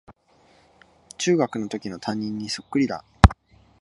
中学のときの担任にそっくりだ